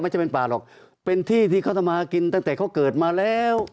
จะเป็นป่าหรอกเป็นที่ที่เขาทำมากินตั้งแต่เขาเกิดมาแล้ว